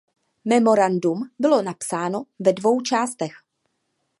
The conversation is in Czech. Memorandum bylo napsáno ve dvou částech.